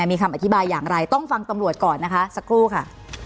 มีคำอธิบายอย่างไรต้องฟังตำรวจก่อนนะคะสักครู่ค่ะ